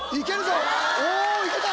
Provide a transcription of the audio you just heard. おいけた！